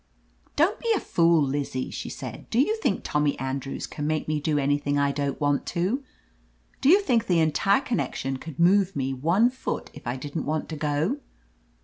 "Don't be a fool, Lizzie," she said. "Do you think Tommy Andrews can make me do anything I don't want to? Do you think the entire connection could move me one foot if I didn't want to go?"